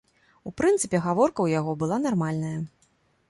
У прынцыпе, гаворка ў яго была нармальная.